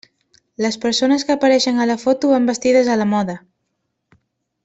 Les persones que apareixen a la foto van vestides a la moda.